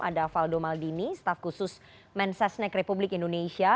ada faldo maldini staf khusus mensesnek republik indonesia